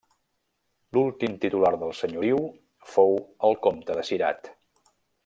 L'últim titular del senyoriu fou el comte de Cirat.